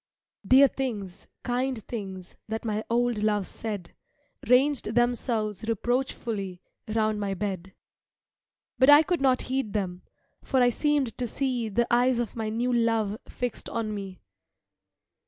Dear things, kind things, That my old love said, Ranged themselves reproachfully Round my bed. But I could not heed them, For I seemed to see The eyes of my new love Fixed on me.